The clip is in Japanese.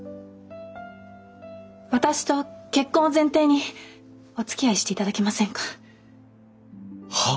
私と結婚を前提におつきあいしていただけませんか？は？